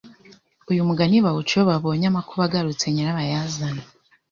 Uyu mugani bawuca iyo babonye amakuba agarutse nyirabayazana,